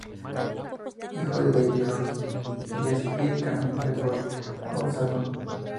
Hijo de David Ross Gillespie y Carmen Edwards Ossandón.